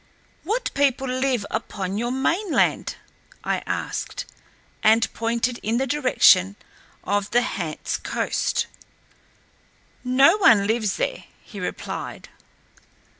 "What people live upon the mainland?" I asked, and pointed in the direction of the Hants coast. "No one lives there," he replied.